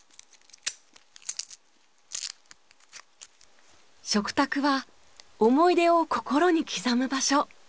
食卓は思い出を心に刻む場所。